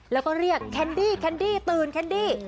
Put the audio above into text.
แล้วก็เรียกแคนดี้ตื่นแคนดี้